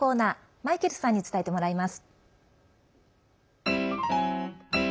マイケルさんに伝えてもらいます。